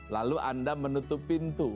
lalu anda menutup pintu